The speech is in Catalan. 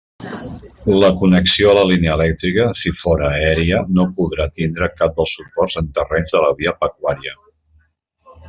La connexió a la línia elèctrica, si fóra aèria, no podrà tindre cap dels suports en terrenys de la via pecuària.